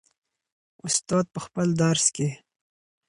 استاد په خپل درس کې.